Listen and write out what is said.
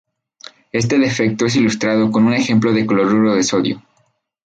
Este defecto es ilustrado con un ejemplo de cloruro de sodio.